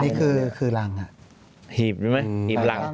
นี่คือหลังหีบหรือไม่หีบหลัง